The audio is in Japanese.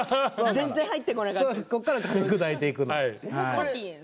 ここからかみ砕いていくんです。